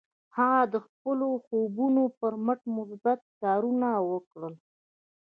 هغه د خپلو خوبونو پر مټ مثبت کارونه وکړل.